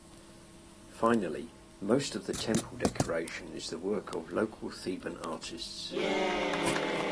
Finally, most of the temple decoration is the work of local Theban artists.